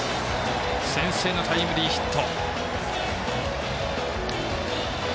先制のタイムリーヒット。